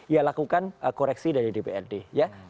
ya lakukan koreksi dari dprd ya